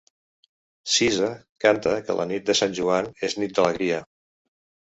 Sisa canta que la nit de Sant Joan és nit d'alegria.